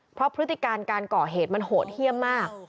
เพราะพฤติการการก่อเหตุมันโหดเยี่ยมมาก